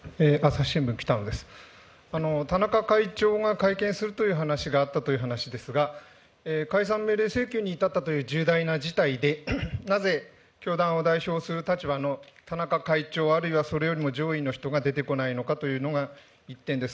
田中会長が会見するという話があったという話ですが、解散命令請求に至ったという重大な事態で、なぜ、教団を代表する立場の田中会長、あるいはそれよりも上位の人が出てこないのかというのが一点です。